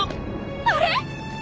あれ！